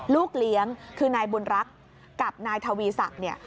ลูกเลี้ยงคือนายบุญรักษ์กับนายทวีศักดิ์เนี่ย